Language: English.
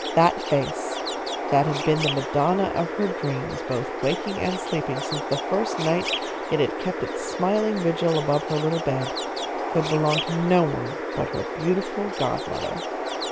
That face, that had been the Madonna of her dreams, both waking and sleeping, since the first night it had kept its smiling vigil above her little bed, could belong to no one but her beautiful godmother.